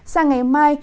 sang ngày mai